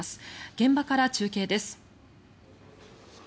現場から中継です。